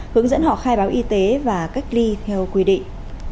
hướng dẫn họ khai báo y tế và cách ly theo quy định